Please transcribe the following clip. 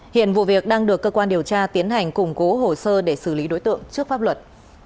hiện vụ việc đang được cơ quan điều tra tiến hành củng cố hồ sơ để xử lý đối tượng trước pháp luật